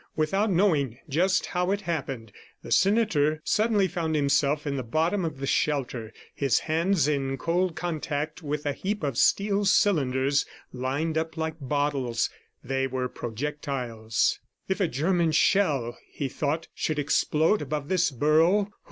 Without knowing just how it happened, the senator suddenly found himself in the bottom of the shelter, his hands in cold contact with a heap of steel cylinders lined up like bottles. They were projectiles. "If a German shell," he thought, "should explode above this burrow